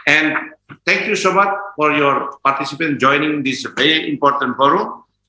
dan terima kasih banyak banyak untuk para penonton anda yang menyertai forum yang sangat penting ini